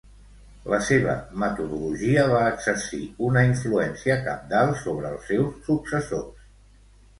La seva metodologia va exercir una influència cabdal sobre els seus successors.